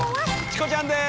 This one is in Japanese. チコちゃんです